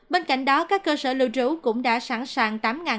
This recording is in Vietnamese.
bên cạnh đó các cơ sở lưu trú cũng đã sẵn sàng